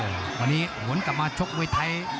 วันนี้หวนกลับมาชกมวยไทย